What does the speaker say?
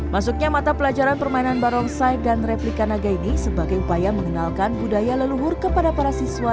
masuknya mata pelajaran permainan barongsai dan replika naga ini sebagai upaya mengenalkan budaya leluhur kepada para siswa